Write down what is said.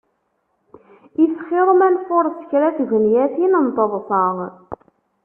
If xir ma nfureṣ kra n tgenyatin n teḍsa.